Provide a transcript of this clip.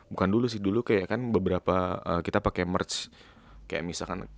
bukan dulu sih dulu kan kita pake merch kayak misalkan